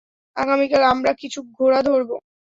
আগামীকাল আমরা কিছু ঘোড়া ধরব।